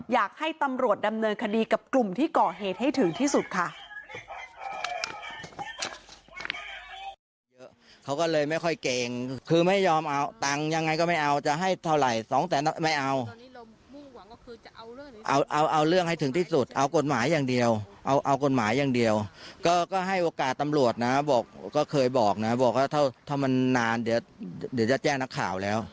อยากให้ตำรวจดำเนินคดีกับกลุ่มที่ก่อเหตุให้ถึงที่สุดค่ะ